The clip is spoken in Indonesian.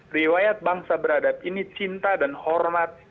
riwayat bangsa beradab ini cinta dan hormat